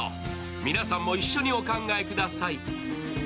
皆さんも一緒にお考えください。